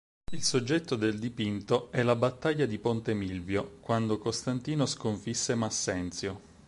Il soggetto del dipinto è la battaglia di Ponte Milvio, quando Costantino sconfisse Massenzio.